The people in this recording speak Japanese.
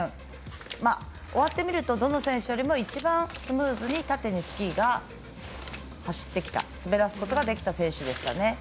終わってみるとどの選手よりも一番スムーズに縦にスキーが走ってきた滑らすことができた選手です。